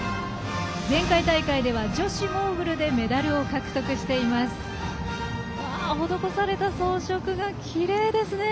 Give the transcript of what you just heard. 前回大会では、女子モーグルでメダルを獲得しています。